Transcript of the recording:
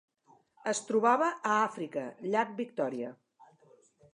Es trobava a Àfrica: llac Victòria.